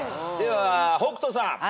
では北斗さん。